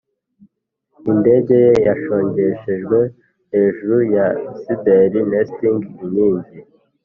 indege ye yashongeshejwe hejuru ya cinder-nesting inkingi,